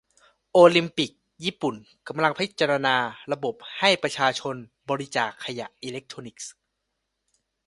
โอลิมปิกญี่ปุ่นกำลังพิจาณาระบบให้ประชาชนบริจาคขยะอิเล็กทรอนิกส์